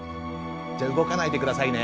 じゃ動かないでくださいね。